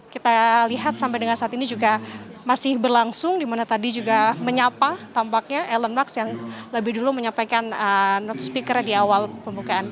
kita lihat sampai dengan saat ini juga masih berlangsung dimana tadi juga menyapa tampaknya elon musk yang lebih dulu menyampaikan note speakernya di awal pembukaan